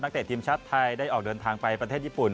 เตะทีมชาติไทยได้ออกเดินทางไปประเทศญี่ปุ่น